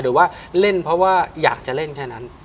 หรือว่าเล่นเพราะว่าอยากจะเล่นแค่นั้น